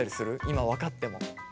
今分かっても。